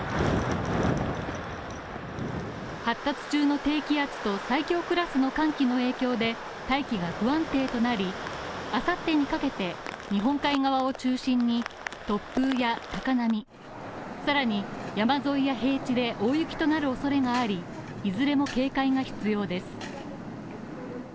発達中の低気圧と最強クラスの寒気の影響で大気が不安定となりあさってにかけて、日本海側を中心に突風や高波、更に山沿いや平地で大雪となるおそれがありいずれも警戒が必要です。